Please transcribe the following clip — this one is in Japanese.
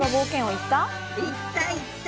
行った、行った。